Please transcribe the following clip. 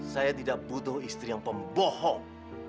saya tidak butuh istri yang pembohong